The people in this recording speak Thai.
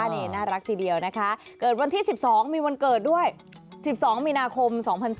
นี่น่ารักทีเดียวนะคะเกิดวันที่๑๒มีวันเกิดด้วย๑๒มีนาคม๒๔